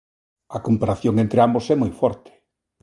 A comparación entre ambos é moi forte.